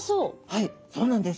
はいそうなんです。